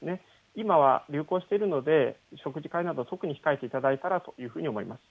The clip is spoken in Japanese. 今は流行しているので食事会など、特に控えていただけたらと思います。